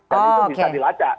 dan itu bisa dilacak